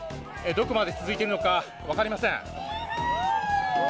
どこまで続いているのか分かりません。